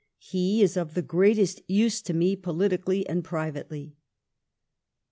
... He is of the greatest use to me politically and privately."